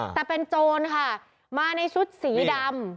แต่เป็นโจรค่ะมาในชุดสีดำ